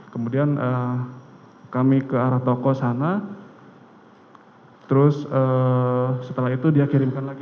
kemudian kami ke arah toko sana terus setelah itu dia kirimkan lagi